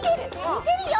みてるよ！